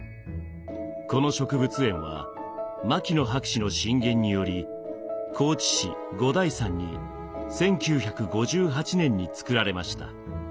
この植物園は牧野博士の進言により高知市五台山に１９５８年に造られました。